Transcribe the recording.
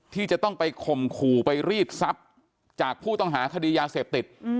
ที่จะต้องไปข่มขู่ไปรีดทรัพย์จากผู้ต้องหาคดียาเสพติด